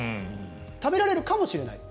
食べられるかもしれない。